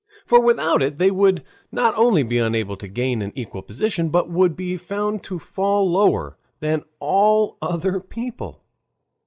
For without it they would not only be unable to gain an equal position, but would be found to fall lower than all other people.